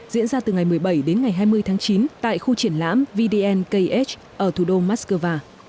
diễn ra từ ngày một mươi bảy đến ngày hai mươi tháng chín tại khu triển lãm vdnkh ở thủ đô moscow